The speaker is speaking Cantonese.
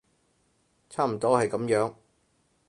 差唔多係噉樣